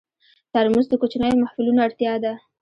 ترموز د کوچنیو محفلونو اړتیا ده.